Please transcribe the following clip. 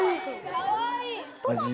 ・かわいい！